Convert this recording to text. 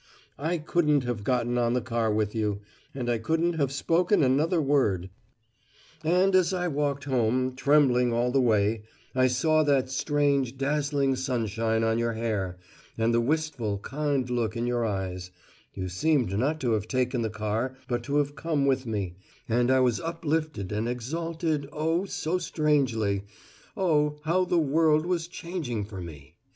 I couldn't have gotten on the car with you and I couldn't have spoken another word. "And as I walked home, trembling all the way, I saw that strange, dazzling sunshine on your hair, and the wistful, kind look in your eyes you seemed not to have taken the car but to have come with me and I was uplifted and exalted oh, so strangely oh, how the world was changing for me!